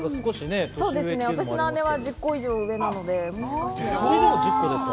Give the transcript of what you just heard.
私の姉は１０個以上、上なので、もしかしたら。